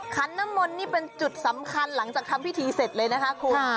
ขันน้ำมนต์นี่เป็นจุดสำคัญหลังจากทำพิธีเสร็จเลยนะคะคุณ